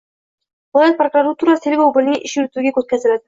viloyat prokuraturasi tergov bo‘limining ish yurituviga o‘tkaziladi.